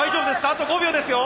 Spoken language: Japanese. あと５秒ですよ。